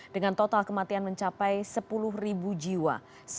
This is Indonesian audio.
dengan total kematian mencapai sepuluh jiwa